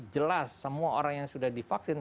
jelas semua orang yang sudah divaksin